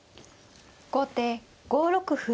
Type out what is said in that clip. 後手５六歩。